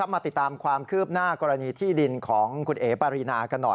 มาติดตามความคืบหน้ากรณีที่ดินของคุณเอ๋ปารีนากันหน่อย